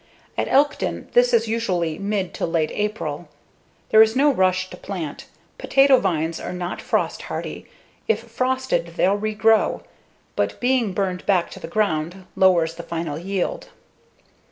At Elkton, this is usually mid to late April. There is no rush to plant. Potato vines are not frost hardy. If frosted they'll regrow, but being burned back to the ground lowers the final yield.